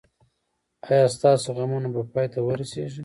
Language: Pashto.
ایا ستاسو غمونه به پای ته ورسیږي؟